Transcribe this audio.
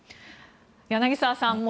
柳澤さん